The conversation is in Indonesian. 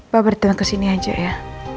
pak beritahu kesini aja ya